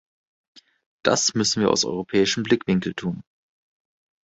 Das müssen wir aus europäischem Blickwinkel tun.